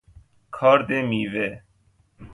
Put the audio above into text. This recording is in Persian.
کارد میوه